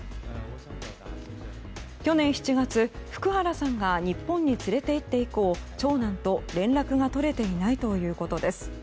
去年７月、福原さんが日本に連れて行って以降長男と連絡が取れていないということです。